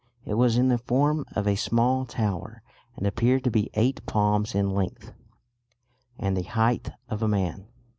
It was in the form of a small tower, and appeared to be eight palms in length and the height of a man.